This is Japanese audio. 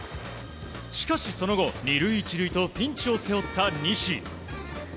しかしその後２塁１塁とピンチを背負った西。